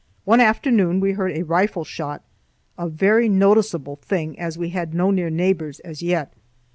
One afternoon we heard a rifle shot, a very noticeable thing, as we had no near neighbors, as yet.